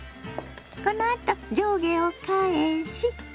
このあと上下を返し